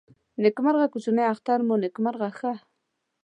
نیکمرغه کوچني اختر مو نیکمرغه ښه.